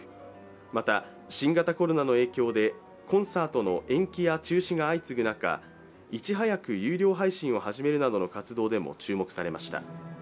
また、新型コロナの影響でコンサートの延期や中止が相次ぐ中、いち早く有料配信を始めるなどの活動でも注目されました。